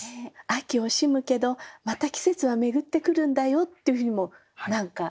秋惜しむけどまた季節は巡ってくるんだよっていうふうにも何か感じます。